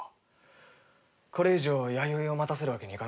これ以上弥生を待たせるわけにはいかないから。